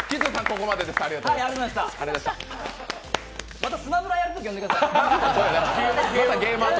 また「スマブラ」やるとき呼んでください。